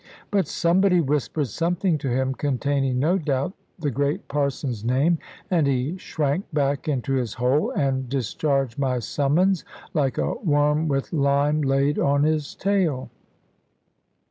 But somebody whispered something to him, containing, no doubt, the great Parson's name, and he shrank back into his hole, and discharged my summons, like a worm with lime laid on his tail.